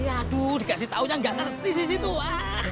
aduh dikasih taunya gak ngerti sisi tua